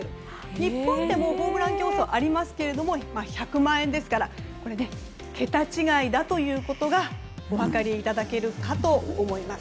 日本でもホームラン競争がありますが１００万円ですから桁違いだということがお分かりいただけるかと思います。